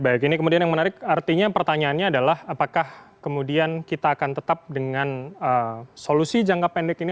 baik ini kemudian yang menarik artinya pertanyaannya adalah apakah kemudian kita akan tetap dengan solusi jangka pendek ini